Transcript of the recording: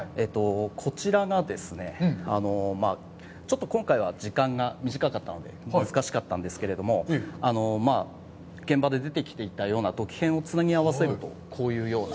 こちらがですね、ちょっと今回は時間が短かったので難しかったんですけれども、現場で出てきていたような土器片をつなぎ合わせるとこういうような。